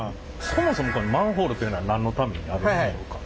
そもそもマンホールっていうのは何のためにあるんでしょうか？